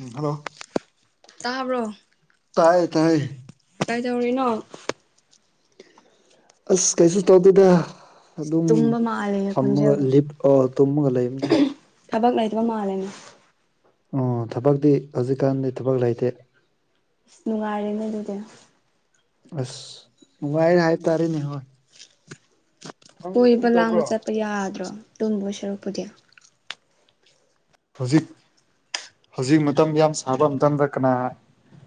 ꯎꯝ hello ꯇꯥꯕ꯭ꯔꯣ ꯇꯥꯏꯌꯦ ꯇꯥꯏꯌꯦ ꯀꯩꯗꯧꯔꯤꯅꯣ ꯑꯁ ꯀꯩꯁꯨ ꯇꯧꯗꯦꯗ ꯑꯗꯨꯝ ꯇꯨꯝꯕ ꯃꯥꯜꯂꯦꯅꯦ ꯐꯝꯃꯒ ꯈꯣꯟꯖꯦꯜꯗꯣ ꯂꯤꯞ ꯑꯥ ꯇꯨꯝꯃꯒ ꯂꯩꯕꯅꯦ ꯊꯕꯛ ꯂꯩꯇꯕ ꯃꯥꯜꯂꯦꯅꯦ ꯑꯣ ꯊꯕꯛꯇꯤ ꯍꯧꯖꯤꯛꯀꯥꯟꯗꯤ ꯊꯕꯛ ꯂꯩꯇꯦ ꯑꯁ ꯅꯨꯡꯉꯥꯏꯔꯦꯅꯦ ꯑꯗꯨꯗꯤ ꯑꯁ ꯅꯨꯡꯉꯥꯢꯔꯦ ꯍꯥꯏ ꯇꯥꯔꯦꯅꯦ ꯍꯣꯏ ꯅꯪꯗꯤ ꯀꯔꯤ ꯀꯣꯏꯕ ꯂꯥꯡꯕ ꯇꯧꯕ꯭ꯔꯣ ꯆꯠꯄ ꯌꯥꯗ꯭ꯔꯣ ꯇꯨꯝꯗꯨꯢ ꯁꯔꯨꯛꯄꯨꯗꯤ ꯍꯧꯖꯤꯛ ꯍꯧꯖꯤꯛ ꯃꯇꯝ ꯌꯥꯝ ꯁꯥꯕ ꯃꯇꯝꯗ ꯀꯅꯥ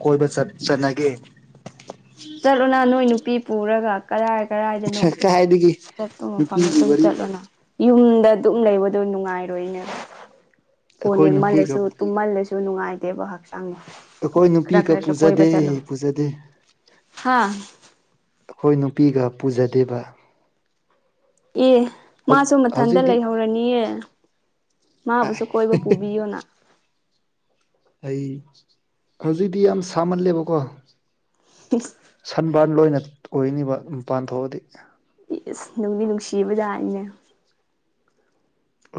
ꯀꯣꯏꯕ ꯆꯠꯅꯒꯦ ꯆꯠꯂꯨꯅ ꯅꯣꯏ ꯅꯨꯄꯤ ꯄꯨꯔꯒ ꯀꯔꯥꯏ ꯀꯔꯥꯏꯗꯅꯣ ꯀꯥꯏꯗꯒꯤ ꯆꯠꯄ ꯃꯐꯝꯗ ꯅꯨꯄꯤꯒꯤ ꯑꯗꯨꯝ ꯋꯥꯔꯤ ꯆꯠꯂꯣꯅ ꯌꯨꯝꯗ ꯑꯗꯨꯝ ꯂꯩꯕꯗꯣ ꯅꯨꯡꯉꯥꯏꯔꯣꯏꯅꯦ ꯐꯣꯟ ꯑꯩꯈꯣꯏ ꯅꯨꯄꯤꯒ ꯌꯦꯡꯃꯜꯂꯁꯨ ꯇꯨꯝꯃꯜꯂꯁꯨ ꯅꯨꯡꯉꯥꯏꯇꯦꯕ ꯍꯛꯆꯥꯡ ꯑꯩꯈꯣꯏ ꯈꯔ ꯅꯨꯄꯤꯒ ꯈꯔꯁꯨ ꯀꯣꯏꯕ ꯄꯨꯖꯗꯦ ꯆꯠꯂꯣ ꯄꯨꯖꯗꯦ ꯍꯥ ꯑꯩꯈꯣꯏ ꯅꯨꯄꯤꯒ ꯄꯨꯖꯗꯦꯕ ꯑꯦ ꯃꯥꯁꯨ ꯃꯊꯟꯇ ꯍꯧꯖꯤꯛꯇꯤ ꯂꯩꯍꯧꯔꯅꯤꯑꯦ ꯃꯥꯕꯨꯁꯨ ꯀꯣꯏꯕ ꯄꯨꯕꯤꯌꯣꯅ ꯑꯩ ꯍꯧꯖꯤꯛꯇꯤ ꯌꯥꯝ ꯁꯥꯃꯜꯂꯦꯕꯀꯣ ꯢꯁ ꯁꯟꯕꯥꯟ ꯂꯣꯏꯅ ꯑꯣꯏꯅꯤꯕ ꯃꯄꯥꯜ ꯊꯣꯛꯑꯗꯤ ꯢꯁ ꯅꯨꯡꯗꯤ ꯅꯨꯡꯁꯤꯕꯖꯠꯅꯤꯅꯦ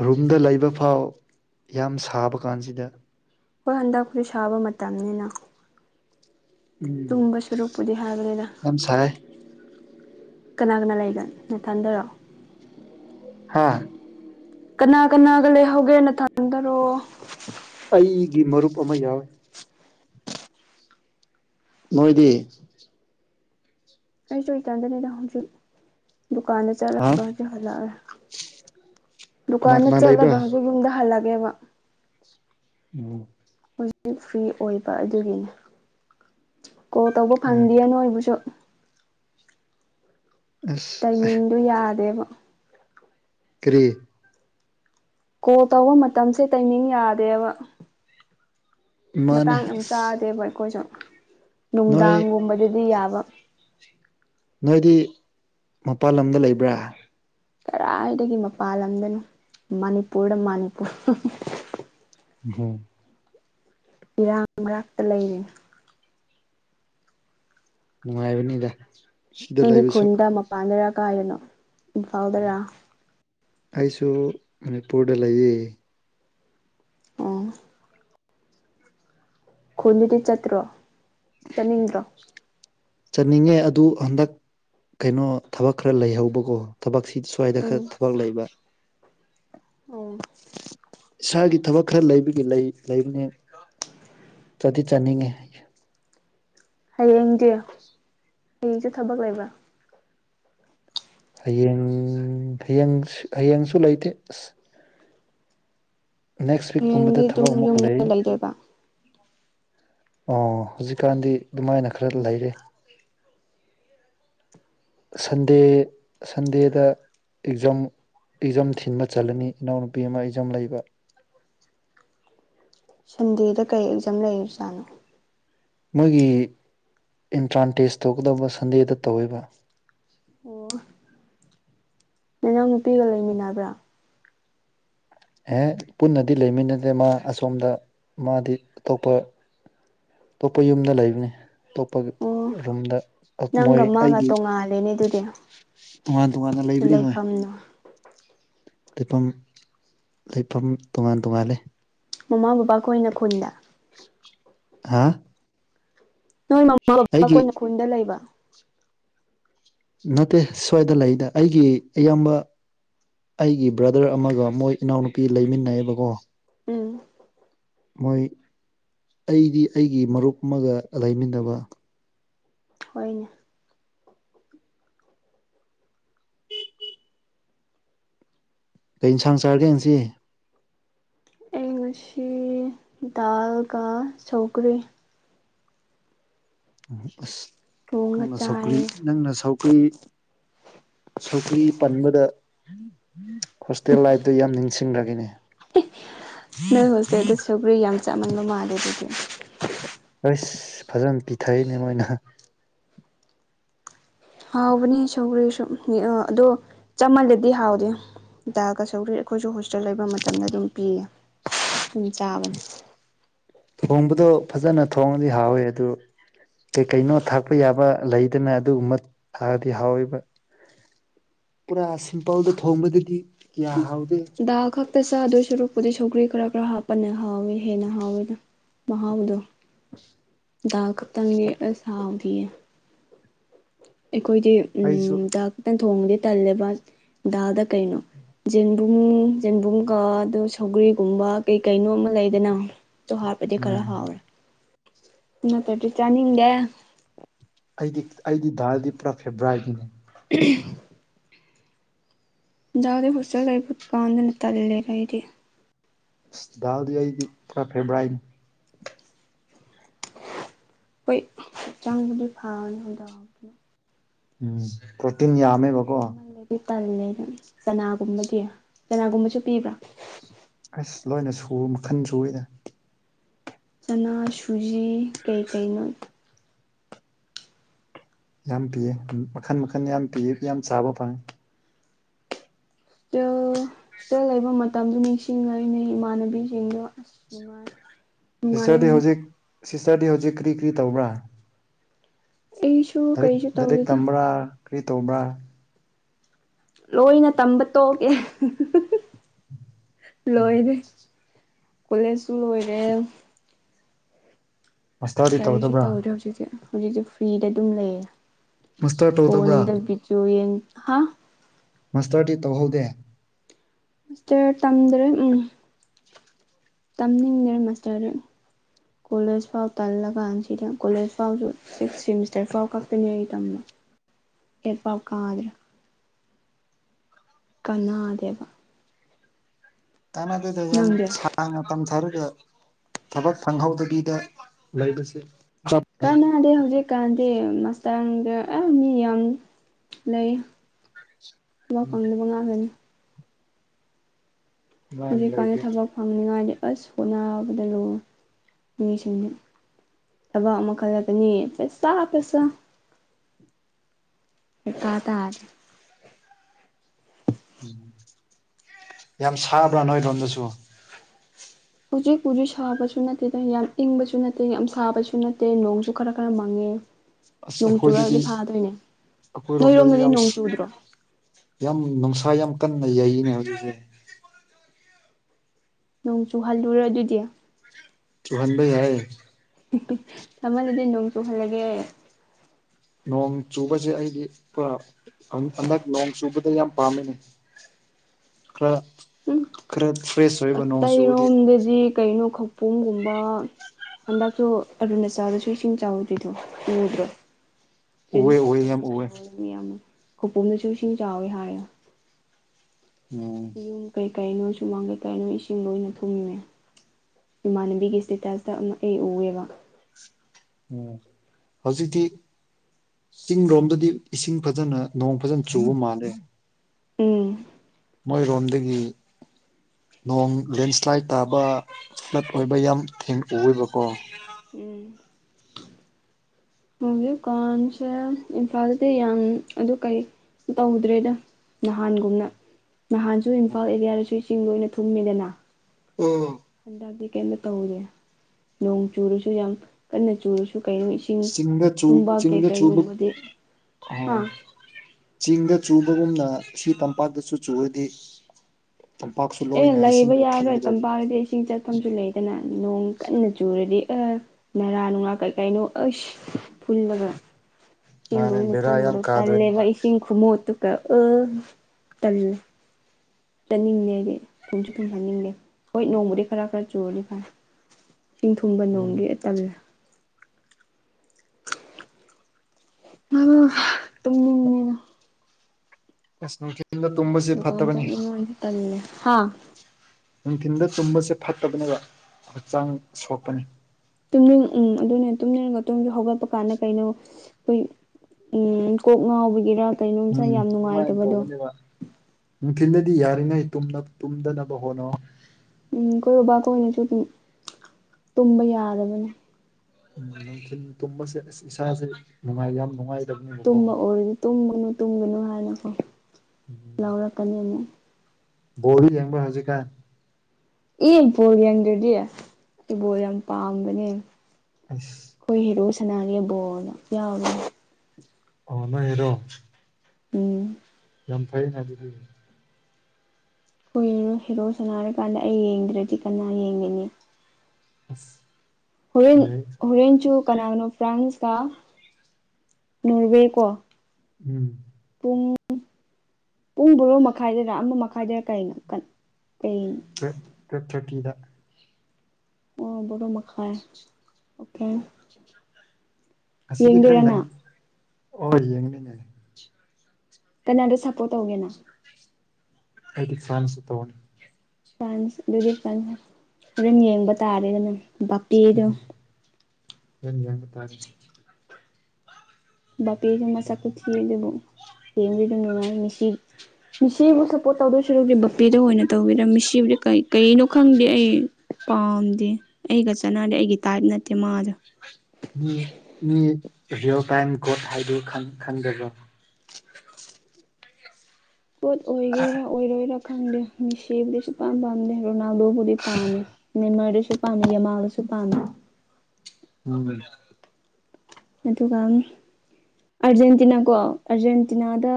ꯔꯨꯝꯗ ꯂꯩꯕ ꯐꯥꯎ ꯌꯥꯝ ꯁꯥꯕ ꯀꯥꯟꯁꯤꯗ ꯍꯣꯏ ꯍꯟꯗꯛꯄꯨꯗꯤ ꯁꯥꯕ ꯃꯇꯝꯅꯤꯅ ꯎꯝ ꯇꯨꯝꯕ ꯁꯨꯔꯨꯛꯄꯨꯗꯤ ꯍꯥꯏꯕꯅꯤꯗ ꯌꯥꯝ ꯁꯥꯏ ꯀꯅꯥ ꯀꯅꯥ ꯂꯩꯒꯦ ꯅꯊꯥꯟꯗꯔꯣ ꯍꯥ ꯀꯅꯥ ꯀꯅꯥꯒ ꯂꯩꯍꯧꯒꯦ ꯅꯊꯟꯇꯥꯔꯣ ꯑꯩꯒꯤ ꯃꯔꯨꯞ ꯑꯃ ꯌꯥꯎꯋꯦ ꯅꯣꯏꯗꯤ ꯑꯩꯁꯨ ꯏꯊꯟꯗꯅꯤꯗ ꯍꯧꯖꯤꯛ ꯗꯨꯀꯥꯟꯗ ꯍꯥ ꯆꯠꯂꯒ ꯍꯧꯖꯤꯛ ꯍꯂꯛꯑꯦ ꯀꯅꯥ ꯗꯨꯀꯥꯟꯗ ꯀꯅꯥ ꯂꯩꯕ꯭ꯔꯥ ꯆꯠꯂꯒ ꯍꯧꯖꯤꯛ ꯌꯨꯝꯗ ꯍꯂꯛꯑꯦꯕ ꯑꯣ ꯍꯧꯖꯤꯛ ꯐ꯭ꯔꯤ ꯑꯣꯏꯕ ꯑꯗꯨꯒꯤꯅꯦ ꯀꯣꯜ ꯇꯧꯕ ꯑꯣ ꯐꯪꯗꯦ ꯅꯣꯏꯕꯨꯁꯨ ꯑꯁ ꯇꯥꯝꯃꯤꯡꯗꯨ ꯌꯥꯗꯦꯕ ꯀ꯭ꯔꯤ ꯀꯣꯜ ꯇꯧꯕ ꯃꯇꯝꯁꯦ ꯇꯥꯝꯅꯤꯡ ꯌꯥꯗꯦꯕ ꯏꯃꯥꯅꯦ ꯃꯇꯥꯡ ꯌꯥꯝ ꯑꯁ ꯆꯥꯗꯦꯕ ꯑꯩꯈꯣꯏꯁꯨ ꯅꯣꯏ ꯅꯨꯡꯗꯥꯡꯒꯨꯝꯕꯗꯗꯤ ꯌꯥꯕ ꯅꯣꯏꯗꯤ ꯃꯄꯥꯟ ꯂꯝꯗ ꯂꯩꯕ꯭ꯔꯥ ꯀꯗꯥꯏꯗꯒꯤ ꯃꯄꯥꯥꯟ ꯂꯝꯗꯅꯣ ꯃꯅꯤꯄꯨꯔꯗ ꯃꯅꯤꯄꯨꯔ ꯑꯨꯝ ꯏꯔꯥꯡ ꯃꯔꯥꯛꯛꯇ ꯂꯩꯔꯤ ꯅꯨꯡꯉꯥꯏꯕꯅꯤꯗ ꯁꯤꯗ ꯅꯪꯗꯤ ꯂꯩꯕꯁꯨ ꯈꯨꯟꯗ ꯃꯄꯥꯟꯗꯔ ꯀꯥꯏꯔꯅꯣ ꯏꯝꯐꯥꯜꯗꯔꯥ ꯑꯩꯁꯨ ꯃꯅꯤꯄꯨꯔꯗ ꯂꯩꯌꯦ ꯑꯣ ꯈꯨꯜꯗꯗꯤ ꯆꯠꯇ꯭ꯔꯣ ꯆꯠꯅꯤꯡꯗ꯭ꯔꯣ ꯆꯠꯅꯤꯡꯉꯦ ꯑꯗꯨ ꯍꯟꯗꯛ ꯀꯩꯅꯣ ꯊꯕꯛ ꯈꯔ ꯂꯩꯍꯧꯕꯀꯣ ꯊꯕꯛꯁꯤ ꯁ꯭ꯋꯥꯏꯗ ꯎꯝ ꯈꯔ ꯊꯕꯛ ꯂꯩꯕ ꯑꯣ ꯏꯁꯥꯒꯤ ꯊꯕꯛ ꯈ꯭ꯔ ꯂꯩꯕꯒꯤ ꯂꯩ ꯂꯩꯕꯅꯦ ꯆꯠꯇꯤ ꯆꯠꯅꯤꯡꯉꯦ ꯍꯌꯦꯡꯗꯤ ꯍꯌꯦꯡꯁꯨ ꯊꯕꯛ ꯂꯩꯕ꯭ꯔꯥ ꯍꯌꯦꯡ ꯍꯌꯦꯡ ꯍꯌꯦꯡꯁꯨ ꯂꯩꯇꯦ ꯑꯁ ꯅꯦꯛ꯭ꯁ ꯋꯤꯛꯀꯨꯝꯕꯗ ꯍꯌꯦꯡꯗꯤ ꯑꯗꯨꯝ ꯊꯕꯛ ꯑꯃꯨꯛꯀ ꯂꯩ ꯌꯨꯝꯗ ꯂꯩꯗꯣꯏꯕ ꯑꯣ ꯍꯧꯖꯤꯛꯀꯥꯟꯗꯤ ꯗꯨꯃꯥꯏꯅ ꯈꯔ ꯂꯩꯔꯦ ꯁꯟꯗꯦ ꯁꯟꯗꯦꯗ ꯑꯦꯛꯖꯥꯝ ꯑꯦꯛꯖꯥꯝ ꯊꯤꯟꯕ ꯆꯠꯂꯅꯤ ꯏꯅꯥꯎꯅꯨꯄꯤ ꯑꯃ ꯑꯦꯛꯖꯥꯝ ꯂꯩꯕ ꯁꯟꯗꯦꯗ ꯀꯩ ꯑꯦꯛꯖꯥꯝ ꯂꯩꯔꯤꯖꯥꯠꯅꯣ ꯃꯣꯏꯒꯤ ꯑꯦꯟꯇ꯭ꯔꯥꯟ꯭ꯁ ꯇꯦꯁ ꯇꯧꯒꯗꯕ ꯁꯟꯗꯦꯗ ꯇꯧꯋꯦꯕ ꯑꯣ ꯅꯪ ꯅꯨꯄꯤꯒ ꯂꯩꯃꯤꯟꯅꯕ꯭ꯔꯥ ꯑꯦ ꯄꯨꯟꯅꯗꯤ ꯂꯩꯃꯤꯟꯅꯗꯦ ꯃꯥ ꯑꯁꯣꯝꯗ ꯃꯥꯗꯤ ꯑꯇꯣꯞꯄ ꯑꯇꯣꯞꯄ ꯌꯨꯝꯗ ꯂꯩꯕꯅꯤ ꯑꯇꯣꯞꯄꯒꯤ ꯑꯣ ꯔꯨꯝꯗ ꯃꯣꯏ ꯅꯪꯒ ꯃꯥꯒ ꯑꯩꯒꯤ ꯇꯣꯡꯉꯥꯜꯂꯦꯅꯦ ꯑꯗꯨꯗꯤ ꯇꯣꯉꯥꯟ ꯇꯣꯉꯥꯟꯅ ꯂꯩꯕꯅꯤ ꯍꯣꯏ ꯂꯩꯐꯝꯗꯣ ꯂꯩꯐꯝ ꯂꯩꯐꯝ ꯇꯣꯉꯥꯟ ꯇꯣꯉꯥꯟꯂꯦ ꯃꯃꯥ ꯕꯕꯥꯈꯣꯏꯅ ꯈꯨꯟꯗ [unintelligible] ꯍꯥ ꯅꯣꯏ ꯃꯃꯥ ꯕꯕꯥ ꯑꯩꯒꯤ ꯈꯣꯏꯅ ꯈꯨꯟꯗ ꯂꯩꯕ ꯅꯠꯇꯦ ꯁ꯭ꯋꯥꯏꯗ ꯂꯩꯗ ꯑꯩꯒꯤ ꯏꯌꯥꯝꯕ ꯑꯩꯒꯤ ꯕ꯭ꯔꯗꯔ ꯑꯃꯒ ꯃꯣꯏ ꯏꯅꯥꯎꯅꯨꯄꯤ ꯂꯩꯃꯤꯟꯅꯩꯌꯦꯕꯀꯣ꯫ ꯎꯝ꯫ ꯃꯣꯏ ꯑꯩꯗꯤ ꯑꯩꯒꯤ ꯃꯔꯨꯞ ꯑꯃꯒ ꯂꯩꯃꯤꯟꯅꯕ꯫ ꯍꯣꯏꯅꯦ꯫ ꯀꯩ ꯏꯟꯁꯥꯡ ꯆꯥꯔꯦ ꯉꯁꯤ꯫ ꯑꯩ ꯉꯁꯤ ꯗꯥꯜꯒ ꯁꯧꯒ꯭ꯔꯤ꯫ ꯎꯝꯍꯨꯝ ꯑꯁ ꯊꯣꯡꯉ ꯅꯪꯅ ꯁꯧꯀ꯭ꯔꯤ ꯆꯥꯏꯌꯦ ꯅꯪꯅ ꯁꯧ ꯀ꯭ꯔꯤ ꯁꯧꯒ꯭ꯔꯤ ꯄꯥꯟꯕꯗ ꯍꯣꯁꯇꯦꯜ ꯂꯥꯏꯐꯇꯣ ꯌꯥꯝ ꯅꯤꯡꯁꯤꯡꯔꯛꯑꯦꯅꯦ꯫ ꯅꯣꯏ ꯍꯣꯁꯇꯦꯜꯗꯣ ꯁꯧꯒ꯭ꯔꯤ ꯌꯥꯝ ꯆꯥꯃꯟꯕ ꯃꯥꯜꯂꯦ ꯑꯗꯨꯗꯤ꯫ ꯑꯁ ꯐꯖꯅ ꯄꯤꯊꯛꯏꯅꯦ ꯃꯣꯏꯅ꯫ ꯍꯥꯎꯕꯅꯦ ꯁꯧꯒ꯭ꯔꯤꯁꯨ ꯑ ꯑꯗꯣ ꯆꯥꯃꯜꯂꯗꯤ ꯍꯥꯎꯗꯦ꯫ ꯗꯥꯜꯒ ꯁꯧꯒ꯭ꯔꯤ ꯑꯩꯈꯣꯏꯁꯨ ꯍꯣꯁꯇꯦꯜ ꯂꯩꯕ ꯃꯇꯝꯗ ꯑꯗꯨꯝ ꯄꯤꯌꯦ ꯑꯗꯨꯝ ꯆꯥꯕꯅꯦ꯫ ꯊꯣꯡꯕꯗꯣ ꯐꯖꯅ ꯊꯣꯡꯉꯗꯤ ꯍꯥꯎꯋꯦ ꯑꯗꯨ ꯀꯩ ꯀꯩꯅꯣ ꯊꯥꯛꯄ ꯌꯥꯕ ꯂꯩꯗꯅ ꯑꯗꯨꯒꯨꯝꯕ ꯊꯥꯛꯑꯗꯤ ꯍꯥꯎꯋꯦꯕ꯫ ꯑꯗꯨꯝꯅ ꯁꯤꯝꯄꯜꯗ ꯊꯣꯡꯕꯗꯗꯤ ꯀꯌꯥ ꯍꯥꯎꯗꯦ꯫ ꯗꯥꯜ ꯈꯛꯇ ꯆꯥꯗꯣꯏ ꯁꯨꯔꯛꯄꯨꯗꯤ ꯁꯧꯒ꯭ꯔꯤ ꯈꯔ ꯈꯔ ꯍꯥꯞꯄꯅ ꯍꯥꯎꯋꯦ ꯍꯦꯟꯅ ꯍꯥꯎꯋꯦꯗ꯫ ꯃꯍꯥꯎꯗꯣ ꯗꯥꯜ ꯈꯛꯇꯪꯗꯤ ꯑꯁ ꯍꯥꯎꯗꯤꯌꯦ꯫ ꯑꯩꯈꯣꯏꯗꯤ ꯎꯝ ꯑꯩꯁꯨ ꯗꯥꯜ ꯈꯛꯇꯪ ꯊꯣꯡꯕꯗꯤ ꯇꯜꯂꯦ ꯕ ꯗꯥꯜꯗ ꯀꯩꯅꯣ ꯖꯦꯟꯕꯨꯝ ꯖꯦꯟꯕꯨꯝꯒ ꯑꯗꯨ ꯁꯧꯒ꯭ꯔꯤꯒꯨꯝꯕ ꯀꯩ ꯀꯩꯅꯣ ꯑꯃ ꯂꯩꯗꯅ꯫ ꯗꯣ ꯍꯥꯞꯄꯗꯤ ꯈꯔ ꯍꯥꯎꯔꯦ ꯅꯠꯇ꯭ꯔꯗꯤ ꯆꯥꯅꯤꯡꯗꯦ꯫ ꯑꯩꯗꯤ ꯑꯩꯗꯤ ꯗꯥꯜꯗꯤ ꯄꯨꯔꯥ ꯐꯦꯕ꯭ꯔꯥꯏꯠꯅꯤ꯫ [unintelligible] ꯗꯥꯜꯗꯤ ꯍꯣꯁꯇꯦꯜ ꯂꯩꯕꯀꯥꯟꯗꯅ ꯇꯜꯂꯦ ꯑꯩꯗꯤ꯫ ꯑꯁ ꯗꯥꯜꯗꯤ ꯑꯩꯗꯤ ꯄꯨꯔꯥ ꯐꯦꯕ꯭ꯔꯥꯏꯠꯅꯤ꯫ ꯍꯣꯏ ꯍꯛꯆꯥꯡꯕꯨꯗꯤ ꯐꯥꯅꯤ ꯗꯥꯜꯗꯨꯅ꯫ ꯎꯝ ꯄ꯭ꯔꯣꯇꯤꯟ ꯌꯥꯝꯃꯦꯕ꯫ ꯆꯥꯃꯜꯂꯗꯤ ꯇꯜꯂꯦꯗ ꯆꯅꯥꯒꯨꯝꯕꯗꯤ ꯆꯅꯥꯒꯨꯝꯕꯁꯨ ꯄꯤꯕ꯭ꯔꯥ꯫ ꯑꯁ ꯂꯣꯏꯅ ꯁꯨ ꯃꯈꯟ ꯁꯨꯋꯦꯗ꯫ ꯆꯅꯥ ꯁꯨꯖꯤ ꯀꯩꯀꯩꯅꯣ꯫ ꯌꯥꯝ ꯄꯤꯌꯦ ꯎꯝ ꯃꯈꯟ ꯃꯈꯟ ꯌꯥꯝ ꯄꯤꯌꯦ ꯌꯥꯝ ꯆꯥꯕ ꯐꯪꯉꯦ꯫ ꯎꯝ ꯍꯣꯁꯇꯦꯜ ꯂꯩꯕ ꯃꯇꯝꯗꯨ ꯅꯤꯡꯁꯤꯡꯉꯛꯏꯅꯦ ꯏꯃꯥꯟꯅꯕꯤꯁꯤꯡꯗꯣ ꯑꯁ [unintelligible] ꯅꯨꯡꯉꯥꯏ ꯁꯤꯁꯇꯔꯗꯤ ꯍꯧꯖꯤꯛ ꯁꯤꯁꯇꯔꯗꯤ ꯍꯧꯖꯤꯛ ꯀꯔꯤ ꯀꯔꯤ ꯇꯧꯕ꯭ꯔꯥ꯫ ꯑꯩꯁꯨ ꯀꯩꯁꯨ ꯂꯥꯏꯔꯤꯛ ꯇꯧꯗꯦꯗ ꯇꯝꯕ꯭ꯔꯥ ꯀꯔꯤ ꯇꯧꯕ꯭ꯔꯥ꯫ ꯂꯣꯏꯅ ꯇꯝꯕ ꯇꯣꯛꯑꯦ꯫ ꯎꯝ ꯂꯣꯏꯔꯦ ꯀꯣꯂꯦꯖꯁꯨ ꯂꯣꯏꯔꯦ꯫ ꯃꯥꯁꯇꯔꯗꯤ ꯀꯔꯤꯁꯨ ꯇꯧꯗꯕ꯭ꯔꯥ ꯇꯧꯗ꯭ꯔꯦ ꯍꯧꯖꯤꯛꯇꯤ ꯍꯧꯖꯤꯛꯇꯤ ꯐ꯭ꯔꯤꯗ ꯑꯗꯨꯝ ꯂꯩꯌꯦ꯫ ꯃꯁꯇꯔ ꯇꯧꯗꯕ꯭ꯔꯥ ꯐꯣꯟꯗ ꯚꯤꯗꯤꯌꯣ ꯌꯦꯡ ꯍꯥ ꯃꯥꯁꯇꯔꯗꯤ ꯇꯧꯍꯧꯗꯦ꯫ ꯃꯥꯁꯇꯔ ꯇꯝꯗ꯭ꯔꯦ ꯎꯝ꯫ ꯇꯝꯅꯤꯡꯗ꯭ꯔꯦ ꯃꯥꯁꯇꯔꯗꯤ ꯀꯣꯂꯦꯖ ꯐꯥꯎ ꯇꯜꯂꯀꯥꯟꯁꯤꯗ ꯀꯣꯂꯦꯖ ꯐꯥꯎꯁꯨ ꯁꯤꯛꯁ ꯁꯦꯃꯤꯁꯇꯔ ꯐꯥꯎ ꯀꯛꯇꯣꯏꯅꯦ ꯑꯩ ꯇꯝꯕ ꯑꯦꯠ ꯐꯥꯎ ꯀꯥꯗ꯭ꯔꯦ ꯀꯥꯟꯅꯗꯦꯕ꯫ ꯀꯟꯅ ꯑꯗꯨ ꯌꯥꯝ ꯅꯪꯗꯤ [unintelligible] ꯁꯥꯡꯅ ꯇꯝꯊꯔꯒ ꯊꯕꯛ ꯐꯪꯍꯧꯗꯕꯤꯗ ꯂꯩꯕꯁꯦ ꯆꯞ ꯃꯥꯗꯤ ꯍꯧꯖꯤꯛꯀꯥꯟꯗꯤ ꯃꯥꯁꯇꯔ ꯅꯨꯡꯗꯔ ꯑ ꯃꯤ ꯌꯥꯝ ꯂꯩ [unintelligible] ꯍꯧꯖꯤꯛꯀꯥꯟꯗ ꯂꯩꯇꯦ ꯊꯕꯛ ꯐꯪꯅꯤꯉꯥꯏꯗꯤ ꯑꯁ ꯍꯣꯠꯅꯕꯗ ꯂꯣꯏ ꯃꯤꯁꯤꯡꯅꯤ ꯊꯕꯛ ꯑꯃ ꯈꯜꯂꯒꯅꯤ ꯄꯩꯁꯥ ꯄꯩꯁꯥ ꯗꯀꯥ ꯇꯥꯗꯦ ꯌꯥꯝ ꯁꯥꯕ꯭ꯔꯥ ꯅꯣꯏꯔꯣꯝꯗꯁꯨ ꯍꯧꯖꯤꯛꯄꯨꯗꯤ ꯁꯥꯕꯁꯨ ꯅꯠꯇꯦꯗ ꯌꯥꯝ ꯏꯪꯕꯁꯨ ꯅꯠꯇꯦ ꯌꯥꯝ ꯁꯥꯕꯁꯨ ꯅꯠꯇꯦ ꯅꯣꯡꯁꯨ ꯈꯔ ꯈꯔ ꯃꯪꯉꯦ ꯑꯁ ꯅꯣꯡ ꯑꯩꯈꯣꯏꯗꯗꯤ ꯆꯨꯔꯗꯤ ꯐꯥꯗꯣꯏꯅꯦ ꯑꯩꯈꯣꯏꯔꯣꯝꯗꯗꯤ ꯅꯣꯏꯔꯣꯝꯗꯗꯤ ꯌꯥꯝ ꯅꯣꯡ ꯆꯨꯗ꯭ꯔꯣ ꯌꯥꯝ ꯅꯨꯡꯁꯥ ꯌꯥꯝ ꯀꯟꯅ ꯌꯩꯅꯦ ꯍꯧꯖꯤꯛꯁꯦ ꯅꯣꯡ ꯆꯨꯍꯜꯂꯨꯔ ꯑꯗꯨꯗꯤ ꯆꯨꯍꯟꯕ ꯌꯥꯏꯌꯦ ꯁꯃꯜꯂꯗꯤ ꯅꯣꯡ ꯆꯨꯍꯜꯂꯒꯦ ꯅꯣꯡ ꯆꯨꯕꯁꯦ ꯑꯩꯗꯤ ꯄꯨꯔꯥ ꯍꯟꯗꯛ ꯅꯣꯡ ꯆꯨꯕꯗ ꯌꯥꯝ ꯄꯥꯝꯃꯦ ꯈꯔ ꯎꯝ ꯈꯔ ꯐ꯭ꯔꯦꯁ ꯑꯣꯏꯕ ꯅꯣꯡ ꯆꯕꯨꯗꯤ ꯑꯗꯨꯗꯤ ꯀꯩꯅꯣ ꯈꯧꯄꯨꯝꯒꯨꯝꯕ ꯍꯟꯗꯛꯁꯨ ꯑꯔꯨꯅꯥꯆꯥꯜꯗꯁꯨ ꯏꯁꯤꯡ ꯆꯥꯎꯗꯤꯗꯣ ꯎꯗ꯭ꯔꯣ ꯎꯋꯦ ꯎꯋꯦ ꯌꯥꯝ ꯎꯋꯦ [unintelligible] ꯌꯥꯝꯅ ꯈꯧꯄꯨꯝꯗꯁꯨ ꯏꯁꯤꯡ ꯆꯥꯎꯋꯤ ꯍꯥꯏꯌꯦ ꯎꯝ ꯀꯩ ꯀꯔꯤꯅꯣ ꯁꯨꯃꯥꯡꯒꯇꯥꯥꯅꯣ ꯏꯁꯤꯡ ꯂꯣꯏꯅ ꯊꯨꯝꯃꯦ ꯏꯃꯥꯟꯅꯕꯤꯒꯤ ꯏꯁꯇꯦꯇꯁꯇ ꯑꯃꯛ ꯑꯩ ꯎꯑꯦꯕ ꯎꯝ ꯍꯧꯖꯤꯛꯇꯤ ꯆꯤꯡ ꯂꯣꯝꯗꯗꯤ ꯏꯁꯤꯡ ꯐꯖꯅ ꯅꯣꯡ ꯐꯖꯅ ꯆꯨꯕ ꯃꯥꯜꯂꯦ ꯎꯝ ꯃꯣꯏꯔꯣꯝꯗꯒꯤ ꯅꯣꯡ ꯂꯦꯟꯁ꯭ꯂꯥꯏꯠ ꯇꯥꯕ ꯐ꯭ꯂꯠ ꯑꯣꯏꯕ ꯌꯥꯝ ꯊꯦꯡ ꯎꯋꯦꯕꯀꯣ ꯎꯝ ꯍꯧꯖꯤꯛꯀꯥꯟꯁꯦ ꯏꯝꯐꯥꯜꯗꯤ ꯌꯥꯝ ꯑꯗꯨ ꯀꯩ ꯇꯧꯗ꯭ꯔꯦꯗ ꯅꯍꯥꯟꯒꯨꯝꯅ ꯅꯍꯥꯟꯁꯨ ꯏꯝꯐꯥꯜ ꯑꯦꯔꯤꯌꯥꯗꯁꯨ ꯏꯁꯤꯡ ꯂꯣꯏꯅ ꯊꯨꯝꯃꯤꯗꯅ ꯎꯝ ꯍꯟꯗꯛꯇꯤ ꯀꯩꯝꯇ ꯇꯧꯗꯦ ꯅꯣꯡ ꯆꯨꯔꯁꯨ ꯌꯥꯝ ꯀꯟꯅ ꯆꯨꯔꯁꯨ ꯀꯩꯅꯣ ꯏꯁꯤ ꯆꯤꯡꯗ ꯆꯨ ꯆꯤꯡꯗ ꯆꯨꯕ ꯑ ꯍꯥ ꯆꯤꯡꯗ ꯆꯨꯕꯒꯨꯝꯅ ꯁꯤ ꯇꯝꯄꯥꯛꯇꯁꯨ ꯆꯨꯔꯗꯤ ꯇꯝꯄꯥꯛꯁꯨ ꯑꯦ ꯂꯣꯏꯅ ꯂꯩꯕ ꯏꯁꯤꯡꯗꯣ ꯌꯥꯔꯔꯣꯏ ꯊꯟꯒꯗꯕꯅꯤ ꯇꯝꯄꯥꯛꯗꯤ ꯏꯁꯤꯡ ꯆꯠꯐꯝꯁꯨ ꯂꯩ ꯗꯅ ꯅꯣꯡ ꯀꯟꯅ ꯆꯨꯔꯗꯤ ꯑꯁ ꯅꯔꯥ ꯅꯨꯡꯂꯥ ꯀꯩ ꯀꯩꯅꯣ ꯑꯁ ꯐꯨꯜꯂꯒ ꯏꯁꯤꯡ ꯃꯥꯅꯦ ꯂꯣꯏꯅ ꯕꯦꯔꯥ ꯌꯥꯝ ꯊꯨꯝꯕꯗꯣ ꯇꯜꯂꯦꯕ ꯀꯥꯗꯣꯏꯅꯦꯕ ꯆꯤꯡ ꯈꯨꯃꯣꯠꯇꯨꯒ ꯑ ꯇꯜꯂꯦ ꯆꯠꯅꯤꯡꯂꯦ ꯑꯩꯗꯤ ꯊꯨꯝꯁꯨ ꯊꯨꯝꯍꯟꯅꯤꯡꯂꯦ ꯍꯣꯏ ꯅꯣꯡꯕꯨꯗꯤ ꯈꯔ ꯈꯔ ꯆꯨꯔꯗꯤ ꯐꯔꯦ ꯆꯤꯡ ꯊꯨꯝꯕ ꯎꯝ ꯅꯣꯡꯗꯤ ꯇꯜꯂꯦ [unintelligible] ꯑ [unintelligible] ꯇꯨꯝꯅꯤꯡꯉꯦꯗ [unintelligible] [unintelligible] ꯂꯨꯍꫭꯡ ꯆꯠꯅꯤꯡꯉꫭꯏ ꯇꯜꯂ‌ꯦ ꯍꯥ ꯅꯨꯡꯊꯤꯟꯗ ꯇꯨꯝꯕꯁꯦ ꯐꯠꯇꯕꯅꯦꯕ ꯍꯛꯆꯥꯡ ꯁꯣꯛꯄꯅꯤ ꯇꯨꯝꯅꯤꯡ ꯎꯝ ꯑꯗꯨꯅꯦ ꯇꯨꯝꯅꯤꯡꯉꯒ ꯇꯨꯝꯕꯤ ꯍꯧꯒꯠꯄ ꯀꯥꯟꯗ ꯀꯩꯅꯣ ꯑꯩꯈꯣꯏ ꯎꯝ ꯀꯣꯛ ꯉꯥꯎꯕꯒꯤꯔꯥ ꯀꯩꯅꯣꯝꯁꯦ ꯎꯝ ꯌꯥꯝ ꯅꯨꯡꯉꯥꯏꯇꯕꯗꯣ ꯅꯨꯡꯊꯤꯜꯗꯗꯤ ꯌꯥꯔꯤꯉꯩ ꯇꯨꯝꯗꯅꯕ ꯍꯣꯠꯅꯧ ꯎꯝ ꯑꯩꯏ ꯕꯕꯥꯈꯣꯏꯅꯁꯨ ꯑꯗꯨꯝ ꯇꯨꯝꯕ ꯌꯥꯗꯕꯅꯦ ꯎꯝ ꯅꯨꯡꯊꯤꯜ ꯇꯨꯝꯕꯁꯦ ꯑꯁ ꯏꯁꯥꯁꯦ ꯅꯨꯡꯉꯥꯏ ꯌꯥꯝ ꯅꯨꯡꯉꯥꯏ ꯇꯨꯝꯕ ꯑꯣꯏꯔꯗꯤ ꯇꯨꯝꯒꯅꯨ ꯇꯨꯝꯒꯅꯨ ꯍꯥꯏꯅꯀꯣ ꯎꯝ ꯂꯧꯔꯛꯀꯅꯤ ꯑꯃꯨꯛ ꯕꯣꯜꯗꯤ ꯌꯦꯡꯕꯔꯥ ꯍꯧꯖꯤꯛꯀꯥꯟ ꯑꯦ ꯕꯣꯜ ꯌꯦꯡꯗ꯭ꯔꯗꯤ ꯕꯣꯜ ꯌꯥꯝ ꯄꯥꯝꯕꯅꯦ ꯑ [unintelligible] ꯑꯩꯈꯣꯏ ꯍꯦꯔꯨ ꯁꯅꯥꯒ‌ꯦ ꯕꯣꯜꯗꫭ ꯌꯥꯎꯔ [unintelligible] ꯑꫭ ꯅꫭꯏ ꯍ‌ꯦꯔꯣ ꯎꯝ ꯌꯥꯝ ꯐꯩꯅ‌ꯦ ꯑꯗꯨꯗꯤ ꯍꯨꯏꯔꯣ ꯍꯤꯔꯣ ꯁꯥꯟꯅ ꯍꯥꯏꯔꯀꯥꯟꯗ ꯑꯩ ꯌꯦꯡꯗ꯭ꯔꯗꯤ ꯀꯅꯥ ꯌꯦꯡꯒꯅꯤ ꯑꯣꯐ [unintelligible] ꯍꯣꯔꯦꯟ ꯍꯣꯔꯦꯟꯁꯨ ꯀꯅꯥꯅꯣ ꯐ꯭ꯔꯥꯟꯁꯀ ꯅꯣꯔꯋꯦ ꯀꯣ ꯎꯝ ꯄꯨꯡ ꯄꯨꯡ ꯕꯣꯔꯣ ꯃꯈꯥꯏꯗꯔ ꯑꯃ ꯃꯈꯥꯏꯗ ꯀꯩꯅꯣ ꯀꯣ ꯐꯤꯚ ꯐꯤꯚ ꯊꯥꯔꯇꯤꯗ ꯑꯣ ꯕꯔꯣ ꯃꯈꯥꯏ ꯑꯣꯀꯦ ꯉꯁꯤꯗꯤ ꯈꯔ ꯌꯦꯡꯗꯣꯏꯔ ꯉꯟ ꯅꯪ ꯍꯣꯏ ꯌꯦꯡꯉꯅꯦ ꯀꯅꯥꯗ ꯁꯞꯄꯣꯔꯠ ꯇꯧꯒꯦꯅꯪ ꯑꯩꯗꯤ ꯐꯔꯥꯁꯟꯇ ꯇꯧꯒꯅꯤ ꯐ꯭ꯔꯥꯟꯁ ꯑꯗꯨꯒꯤ ꯐ꯭ꯔꯟꯁ ꯍꯣꯔꯦꯟ ꯌꯦꯡꯕ ꯇꯥꯔꯦꯗꯅ ꯕꯥꯄ‌ꯦꯗꯣ [unintelligible] ꯌ‌ꯦꯡꯕ ꯇꯥꯔ‌ꯦ ꯕꯥꯄ‌ꯦꯁ‌ꯦ ꯃꯁꯛꯇꯤ ꯊꯤ ꯑꯗꯨꯕꯨ ꯌ‌ꯦꯡꯕꯗꯤ ꯅꯨꯉꯥꯏ ꯃꯤꯁꯤ ꯃꯤꯁꯤꯕꯨ ꯁꯞꯄꯣꯔꯠ ꯇꯧꯗꯣꯏ ꯁꯨꯔꯨꯗꯤ ꯕꯄꯤꯗ ꯑꯣꯏꯅ ꯇꯧꯕꯤꯗꯥ ꯃꯤꯕꯨꯗꯤ ꯀꯩ ꯀꯩꯅꯣ ꯈꯪꯗꯦ ꯑꯩ ꯄꯥꯝꯗꯦ ꯑꯩꯒ ꯆꯠꯅꯗꯤꯦ ꯑꯩꯒꯤ ꯇꯥꯏꯞ ꯅꯠꯇꯦ ꯃꯥꯗꯣ ꯃꯤ ꯃꯤ ꯔꯤꯌꯦꯜ ꯇꯥꯏꯝ ꯒꯣꯠ ꯍꯥꯏꯗꯨ ꯈꯪꯗꯕꯣ ꯄꯣꯠ ꯑꯣꯏꯒꯦꯔꯥ ꯑꯣꯏꯔꯣꯏꯔꯥ ꯈꯪꯗꯦ ꯃꯤ ꯁꯤꯕꯨꯗꯤ ꯁꯨꯡꯄꯥꯝ ꯄꯥꯝꯗꯦ ꯔꫭꯅꯥꯜꯗꯣꯕꯨꯗꯤ ꯄꯥꯃꯦ ꯅ‌ꯦꯃꯥꯔꯁꯨ ꯄꯥꯃꯤ ꯌꯥ ꯃꯥꯂꯁꯨ ꯄꯥꯃꯦ ꯎꯝ [unintelligible] ꯑꯗꯨꯒ ꯑꯥꯔꯖꯦꯟꯇꯤꯅꯥꯀꯣ ꯑꯥꯔꯖꯦꯟꯇꯤꯅꯥꯗ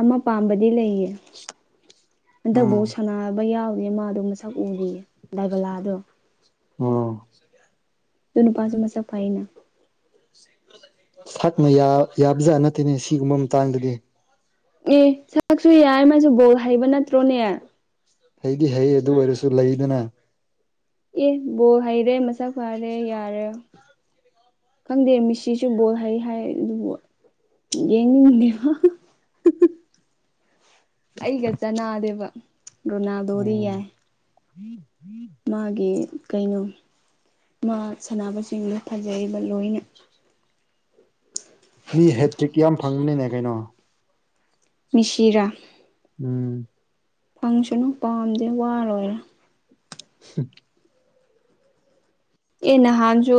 ꯑꯃ ꯄꯥꯝꯕꯗꯤ ꯂꯩꯌꯦ ꯍꯟꯗꯛꯕꯨ ꯎꯝ ꯁꯥꯟꯅꯕ ꯌꯥꯎꯗ‌ꯦ ꯃꯥꯗꯤ ꯃꯁꯛ ꯎꯗꯤꯌꯦ ꯗꯥꯏꯕꯂꯥꯗꯣ ꯑꯣ ꯑꯗꯨ ꯅꯨꯄꯥꯁꯨ ꯃꯁꯛ ꯐꯩꯅ ꯁꯠꯅ ꯌꯥ ꯌꯥꯕꯖꯥꯠ‌ ꯇꯠꯇ‌ꯦꯅ‌ꯦ ꯁꯤꯒꯨꯝꯕ ꯃꯇꯥꯡꯗꯗꯤ ꯑꯦ ꯁꯛꯁꯨ ꯌꯥꯏ ꯃꯁꯨ ꯕꯣꯜ ꯍꯩꯕ ꯅꯠꯇ꯭ꯔꯣꯅꯦ ꯍꯩꯗꯤ ꯍꯩ ꯑꯗꯨ ꯑꯣꯏꯔꯁꯨ ꯂꯩꯗꯨꯅ ꯑꯦ ꯕꯣꯜ ꯍꯩꯔꯦ ꯃꯁꯛ ꯐꯥꯔꯦ ꯌꯥꯔꯦ ꯈꯪꯗꯦ ꯃꯤꯁꯤꯁꯨ ꯕꯣꯜ ꯍꯩ ꯍꯥꯏ ꯑꯗꯨꯕꯨ ꯌꯦꯡꯅꯤꯡꯗ‌ꯦ ꯑꯩꯒ ꯆꯅꯥꯗꯦꯕ ꯔꯣꯅꯥꯜꯗꯣꯗꯤ ꯌꯥꯏ ꯎꯝ ꯎꯝ [inaudible] ꯃꯥꯒꯤ ꯀꯩꯅꯣ ꯃꯥ ꯁꯥꯟꯅꯕꯁꯤꯡꯗꯣ ꯐꯖꯩꯌꯦꯕ ꯂꯣꯏꯅ ꯃꯤ ꯍꯦꯇ꯭ꯔꯤꯛ ꯌꯥꯝ ꯐꯪꯕꯅꯤꯅꯦ ꯀꯩꯅꯣ ꯃꯦꯁꯤꯔꯥ ꯎꯝ ꯐꯪꯁꯅꯨ ꯄꯥꯝꯗꯦ ꯋꯥ ꯂꯣꯏꯔꯦ ꯍꯨꯝ ꯑꯦ ꯅꯍꯥꯜꯁꯨ